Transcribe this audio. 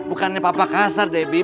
bukannya papa kasar debbie